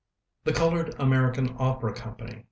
THE COLORED AMERICAN OPERA COMPANY.